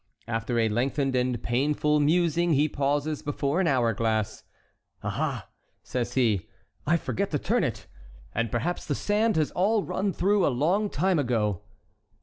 After a lengthened and painful musing he pauses before an hour glass: "Ah! ah!" says he, "I forget to turn it; and perhaps the sand has all run through a long time ago."